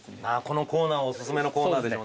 このコーナーおすすめのコーナーでしょうね。